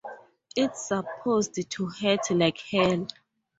It's supposed to hurt like hell.